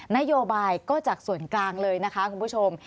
นโยบายก็จากส่วนกลางเลยนะคะคุณผู้ชม